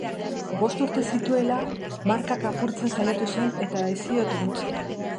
Bost urte zituela markak apurtzen saiatu zen eta ez zioten utzi.